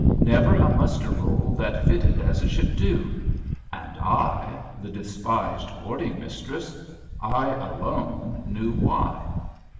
Never a muster roll that fitted as it should do! And I, the despised boarding mistress, I alone knew why!